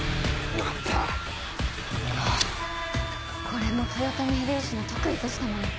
これも豊臣秀吉の得意としたもの。